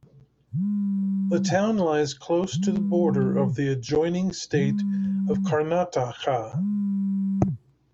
The town lies close to the border of the adjoining state of Karnataka.